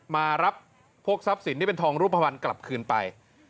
มารับพวกทรัพย์สินที่เป็นทองรูปภัณฑ์กลับคืนไป